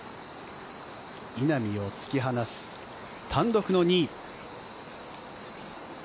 稲見を突き放す単独の２位。